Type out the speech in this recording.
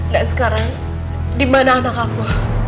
dan sekarang dimana anak aku